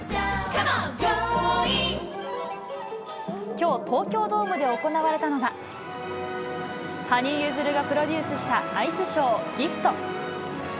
きょう、東京ドームで行われたのが、羽生結弦がプロデュースしたアイスショー、ＧＩＦＴ。